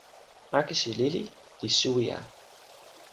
akesi lili li suwi a.